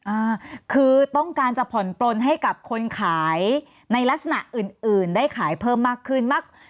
อ่าคือต้องการจะผ่อนปลนให้กับคนขายในลักษณะอื่นอื่นได้ขายเพิ่มมากขึ้นมาก